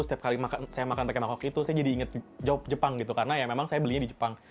setiap kali saya makan pakai makok itu saya jadi inget jawab jepang gitu karena ya memang saya belinya di jepang